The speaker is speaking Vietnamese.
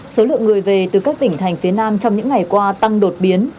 số lượng người về từ các tỉnh thành phía nam trong những ngày qua tăng đột biến